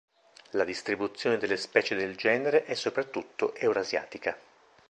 La distribuzione delle specie del genere è soprattutto eurasiatica.